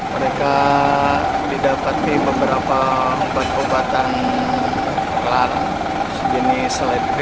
mereka didapati beberapa obat obatan kelar sejenis seledipik